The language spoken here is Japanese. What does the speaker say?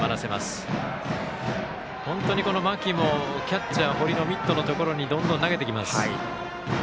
本当に間木もキャッチャー堀のミットのところにどんどん投げてきます。